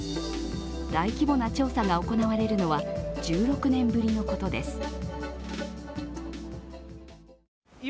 大規模な調査が行われるのは１６年ぶりのことです。